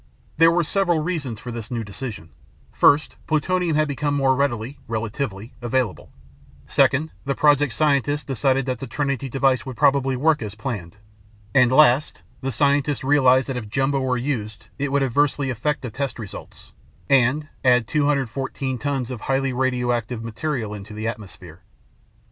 There were several reasons for this new decision: first, plutonium had become more readily (relatively) available; second, the Project scientists decided that the Trinity device would probably work as planned; and last, the scientists realized that if Jumbo were used it would adversely affect the test results, and add 214 tons of highly radioactive material to the atmosphere.